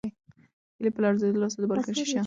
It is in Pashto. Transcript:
هیلې په لړزېدلو لاسونو د بالکن شیشه یي دروازه بېره کړه.